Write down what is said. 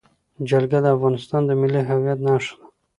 جلګه د افغانستان د ملي هویت نښه ده.